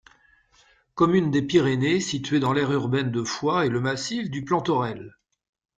Commune des Pyrénées située dans l'aire urbaine de Foix et le massif du Plantaurel.